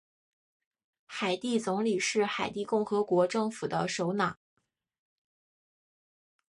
海地总理是海地共和国政府的首脑。